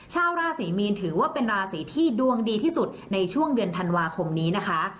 ชาวราศรีมีนถือว่าเป็นราศีที่ดวงดีที่สุดในช่วงเดือนธันวาคมนี้นะคะ